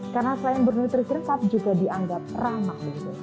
karena selain bernutrisi tetap juga dianggap ramah